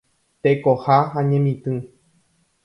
Tekoha ha ñemitỹ.